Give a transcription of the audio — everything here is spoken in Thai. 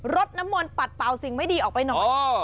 รดนมลปัดเปล่าสิ่งไม่ดีออกไปหน่อย